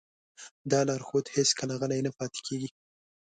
دا لارښود هېڅکله غلی نه پاتې کېږي.